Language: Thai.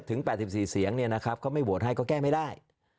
๘๔เสียงเนี่ยนะครับเขาไม่โหวตให้ก็แก้ไม่ได้